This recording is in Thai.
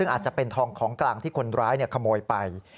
ซึ่งอาจจะเป็นทองของกลางที่คนร้ายขโมยไป